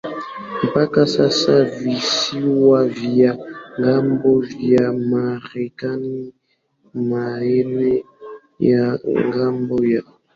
mpaka sasaVisiwa vya ngambo vya Marekani Maeneo ya ngambo ya